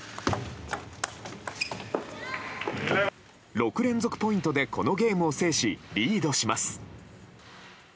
６連続ポイントでこのゲームを制し、リードします。